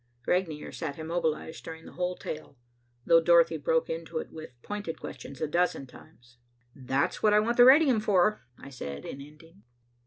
Regnier sat immobile during the whole tale, though Dorothy broke into it with pointed questions a dozen times. "That's what I want the radium for," I said in ending.